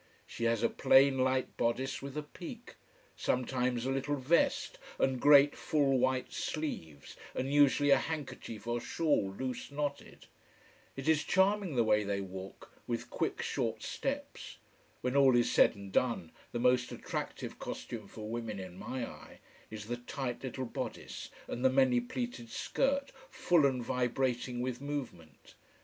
She has a plain, light bodice with a peak: sometimes a little vest, and great full white sleeves, and usually a handkerchief or shawl loose knotted. It is charming the way they walk, with quick, short steps. When all is said and done, the most attractive costume for women in my eye, is the tight little bodice and the many pleated skirt, full and vibrating with movement.